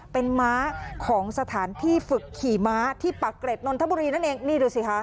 เป็นม้าของสถานที่ฝึกขี่ม้าที่ปากเกร็ดนนทบุรีนั่นเองนี่ดูสิคะ